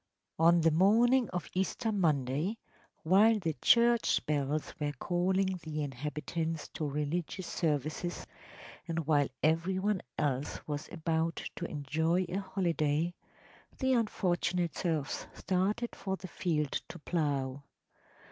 On the morning of Easter Monday, while the church bells were calling the inhabitants to religious services, and while every one else was about to enjoy a holiday, the unfortunate serfs started for the field to plough.